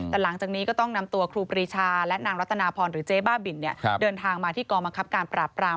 แต่หลังจากนี้ก็ต้องนำตัวครูปรีชาและนางรัตนาพรหรือเจ๊บ้าบินเดินทางมาที่กองบังคับการปราบปราม